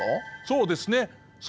そうですよね。